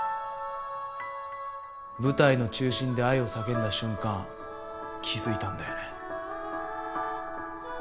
舞台の中心で愛を叫んだ瞬間気づいたんだよね。